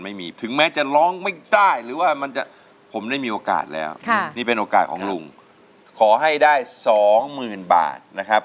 ถึงแม้จะร้องไม่ได้หรือว่ามันจะผมได้มีโอกาสแล้วนี่เป็นโอกาสของลุงขอให้ได้สองหมื่นบาทนะครับ